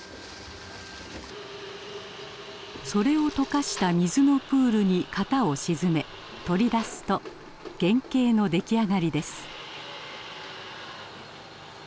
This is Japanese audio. それを溶かした水のプールに型を沈め取り出すと原型の出来上がりです。